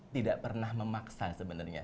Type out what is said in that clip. tidak pernah memaksa sebenarnya